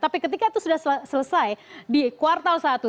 tapi ketika itu sudah selesai di kuartal satu